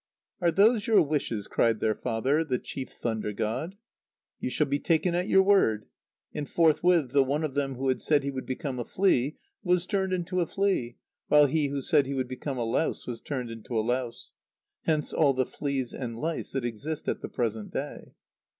"Are those your wishes?" cried their father, the chief thunder god. "You shall be taken at your word"; and forthwith the one of them who had said he would become a flea was turned into a flea, while he who said he would become a louse was turned into a louse. Hence all the fleas and lice that exist at the present day.